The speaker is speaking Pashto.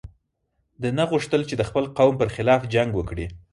ده نه غوښتل چې د خپل قوم پر خلاف جنګ وکړي.